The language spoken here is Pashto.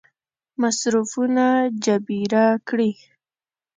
مصرفونه جبیره کړي.